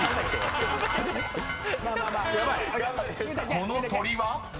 ［この鳥は？］